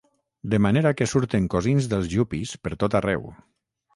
De manera que surten cosins dels yuppies per tot arreu.